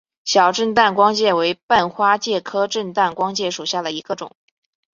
小震旦光介为半花介科震旦光介属下的一个种。